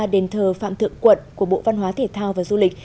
đền thờ phạm thượng quận của bộ văn hóa thể thao và du lịch